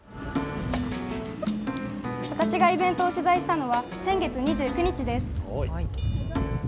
私がイベントを取材したのは先月２９日です。